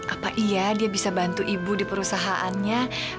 apa iya dia bisa bantu ibu di perusahaannya